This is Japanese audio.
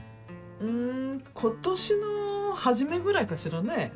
うん今年の初めぐらいかしらね？